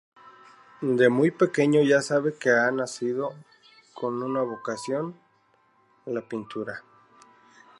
De muy pequeño ya sabe que ha nacido con una vocación: la pintura.